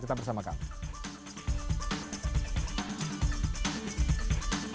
tetap bersama kami